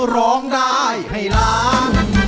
ร้องได้ให้ล้าน